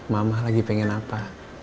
mama lagi pengen apa